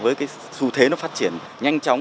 với cái xu thế nó phát triển nhanh chóng